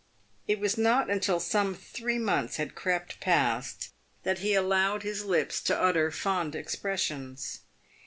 It was not until some three months had crept past, that he allowed his lips to utter fond expressions.